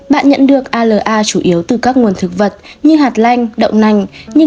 bạn nhận được alla chủ yếu từ các nguồn thực vật như hạt lanh đậu nành